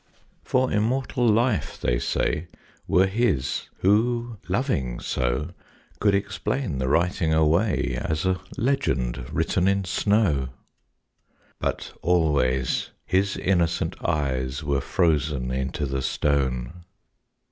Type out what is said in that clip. For immortal life, they say, Were his who, loving so, Could explain the writing away As a legend written in snow. But always his innocent eyes Were frozen into the stone.